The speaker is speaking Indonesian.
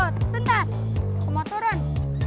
tunggu aku mau turun